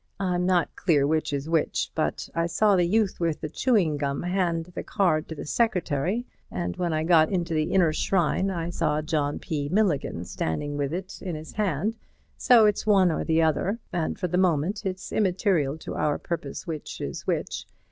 I'm not clear which is which, but I saw the youth with the chewing gum hand the card to the secretary, and when I got into the inner shrine I saw John P. Milligan standing with it in his hand, so it's one or the other, and for the moment it's immaterial to our purpose which is which.